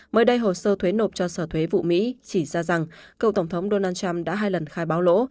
mới đây hồ sơ thuế nộp cho sở thuế vụ mỹ chỉ ra rằng cựu tổng thống donald trump đã hai lần khai báo lỗ